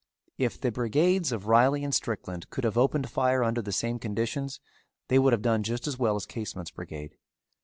If the brigades of Reilly and Strickland could have opened fire under the same conditions they would have done just as well as Casement's brigade.